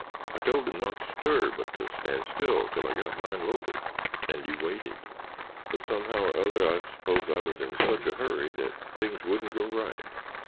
I told him not to stir, but to stand still till I got mine loaded, and he waited. But somehow or other, I s'pose I was in such a hurry that things wouldn't go right.